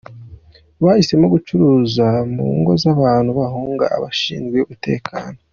Bahisemo gucuriza mu ngo z’abantu bahunga abashinzwe umutekano